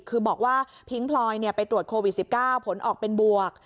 คือบอกว่าพิ้งพลอยไปตรวจโควิด๑๙ผลออกเป็นบวก